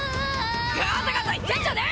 ガタガタ言ってんじゃねぇ！